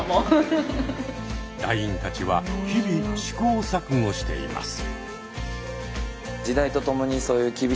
団員たちは日々試行錯誤しています。